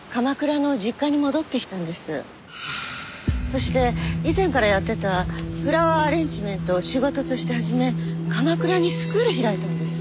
そして以前からやってたフラワーアレンジメントを仕事として始め鎌倉にスクール開いたんです。